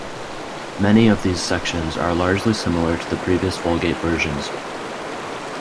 Many of these sections are largely similar to the previous Vulgate versions.